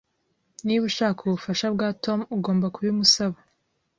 Niba ushaka ubufasha bwa Tom, ugomba kubimusaba